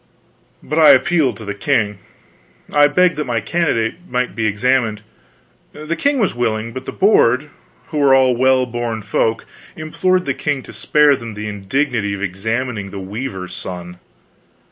But I appealed to the king. I begged that my candidate might be examined. The king was willing, but the Board, who were all well born folk, implored the king to spare them the indignity of examining the weaver's son.